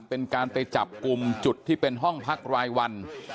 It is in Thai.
เป็นการไปจับกลุ่มจุดที่เป็นห้องพักรายวัน